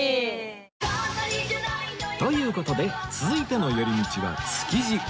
という事で続いての寄り道は築地